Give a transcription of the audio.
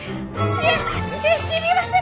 いや知りません！